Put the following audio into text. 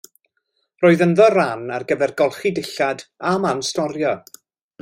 Roedd ynddo ran ar gyfer golchi dillad a man storio.